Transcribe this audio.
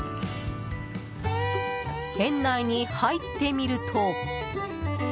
園内に入ってみると。